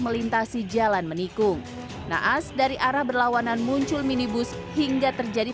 melintasi jalan menikung naas dari arah berlawanan muncul minibus hingga terjadi